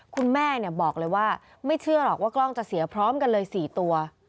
คุณแม่บอกเลยว่าไม่เชื่อหรอกว่ากล้องจะเสียพร้อมกันเลย๔ตัว